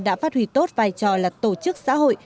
đã phát huy tốt vai trò là tổ chức xã hội